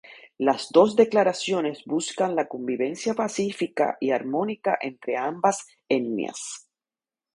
Las dos declaraciones buscan la convivencia pacífica y armónica entre ambas etnias.